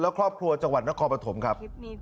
และครอบครัวจังหวัดนครปฐมครับ